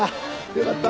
よかった。